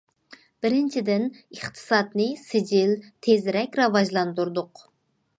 بىرىنچىدىن، ئىقتىسادنى سىجىل، تېزرەك راۋاجلاندۇردۇق.